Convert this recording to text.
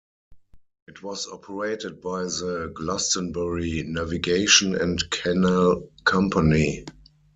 It was operated by The Glastonbury Navigation and Canal Company.